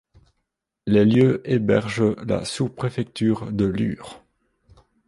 Les lieux hébergent la sous-préfecture de Lure.